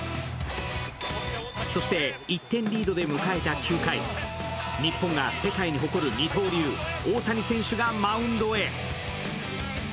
そして、１点リードで迎えた９回日本が世界に誇る二刀流・大谷選手がマウンドへ。